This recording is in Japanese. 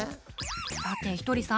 さてひとりさん。